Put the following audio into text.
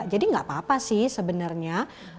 jadi nggak apa apa sih sebenarnya